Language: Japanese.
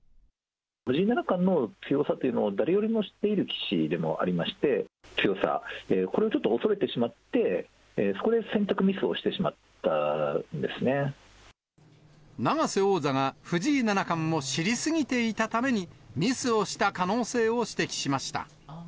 藤井七冠の強さというのを誰よりも知っている棋士でもありまして、強さ、これをちょっと恐れてしまって、そこで選択ミスをし永瀬王座が藤井七冠を知り過ぎていたために、ミスをした可能性を指摘しました。